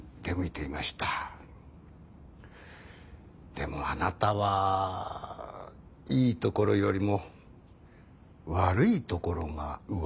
でもあなたはいいところよりも悪いところが上回ってしまった。